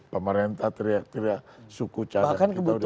pemerintah teriak teriak suku cadang kita sudah cukup